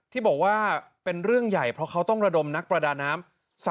ที่บอกว่าเป็นเรื่องใหญ่เพราะเขาต้องระดมนักประดาน้ำ